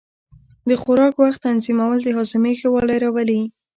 د خوراک وخت تنظیمول د هاضمې ښه والی راولي.